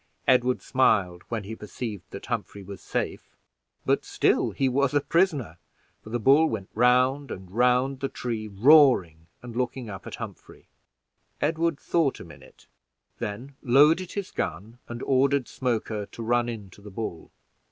Edward smiled when he perceived that Humphrey was safe; but still he was a prisoner, for the bull went round and round the tree roaring and looking up at Humphrey. Edward thought a minute, then loaded his gun, and ordered Smoker to run in to the bull.